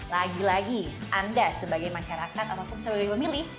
lagi lagi anda sebagai masyarakat ataupun sebagai pemilih